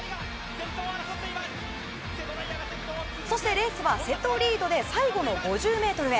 そしてレースは瀬戸リードで最後の５０ｍへ。